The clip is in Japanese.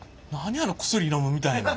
あの薬のむみたいなん。